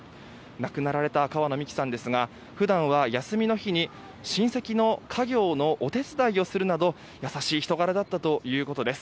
亡くなられた川野美樹さんですが普段は休みの日に親戚の家業のお手伝いをするなど優しい人柄だったということです。